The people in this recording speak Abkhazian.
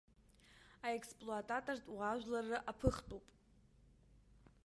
Аексплуататортә уаажәларра аԥыхтәуп.